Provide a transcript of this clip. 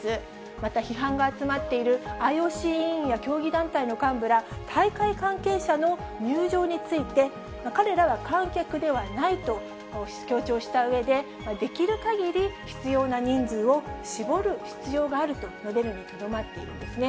また批判が集まっているＩＯＣ委員や競技団体の幹部ら、大会関係者の入場について、彼らは観客ではないと強調したうえで、できるかぎり必要な人数を絞る必要があると述べるにとどまっているんですね。